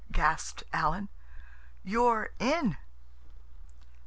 gasped Alan. "You're in."